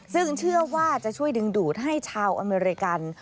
ซึ่งเชื่อว่าจะช่วยดึงดูดให้ชาวอเมริกัน